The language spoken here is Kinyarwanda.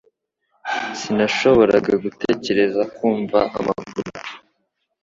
Sinashoboraga gutegereza kumva amakuru